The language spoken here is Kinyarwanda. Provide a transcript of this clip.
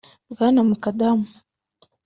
Bwana Mukadam